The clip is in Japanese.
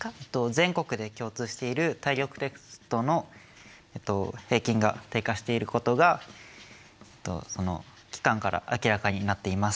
全国で共通している体力テストの平均が低下していることがその機関から明らかになっています。